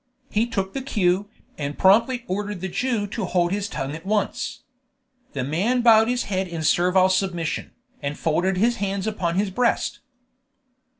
He took the cue, and promptly ordered the Jew to hold his tongue at once. The man bowed his head in servile submission, and folded his hands upon his breast.